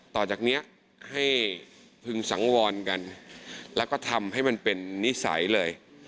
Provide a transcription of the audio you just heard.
ต่อจากนี้ให้พึงสังวรกันแล้วก็ทำให้มันเป็นนิสัยเลย